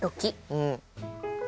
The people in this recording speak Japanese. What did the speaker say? うん。